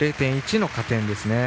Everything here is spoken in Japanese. ０．１の加点です。